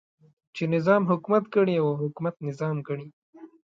چې نظام حکومت ګڼي او حکومت نظام ګڼي.